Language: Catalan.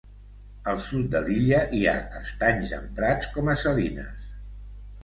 Al sud de l'illa hi ha estanys emprats com a salines.